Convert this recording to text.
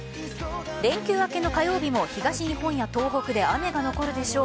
連休明けの火曜日も東日本や東北で雨が残るでしょう。